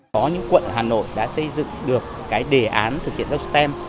có những quận hà nội đã xây dựng được cái đề án thực hiện giao dịch stem